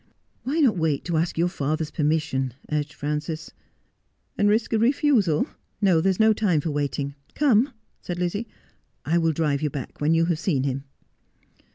' Why not wait to ask your father's permission 1 ' urged Frances. 'And risk a refusal. No, there is no time for waiting. Come,' said Lizzie. ' I will drive you back when you have seen him.'